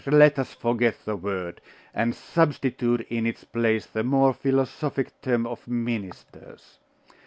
Let us forget the word, and substitute in its place the more philosophic term of ministers.